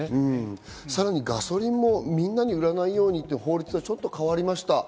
さらにガソリンもみんなに売らないようにっていう法律がちょっと変わりました。